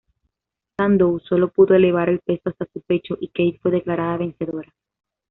Sandow sólo pudo elevar el peso hasta su pecho y Kate fue declarada vencedora.